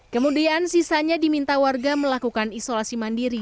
kemudian sisanya diminta warga melakukan isolasi mandiri